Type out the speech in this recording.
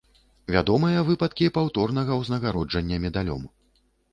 Вядомыя выпадкі паўторнага ўзнагароджання медалём.